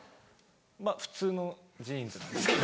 まぁ普通のジーンズなんですけど。